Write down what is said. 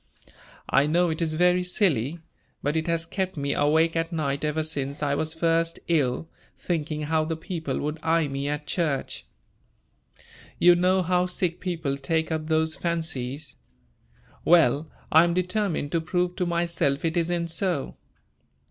I know it is very silly, but it has kept me awake at night ever since I was first ill, thinking how the people would eye me at church. You know how sick people take up those fancies. Well, I am determined to prove to myself it isn't so.